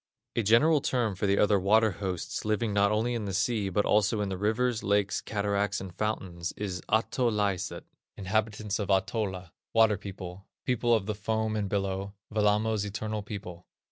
A general term for the other water hosts living not only in the sea, but also in the rivers, lakes, cataracts, and fountains, is Ahtolaiset (inhabitants of Ahtola), "Water people," "People of the Foam and Billow," "Wellamo's Eternal People."